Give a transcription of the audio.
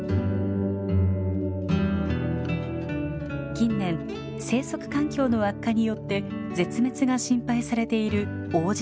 近年生息環境の悪化によって絶滅が心配されているオオジシギ。